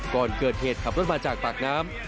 ก่อนเกิดเหตุขับรถมาจากปากน้ำ